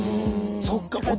そっか。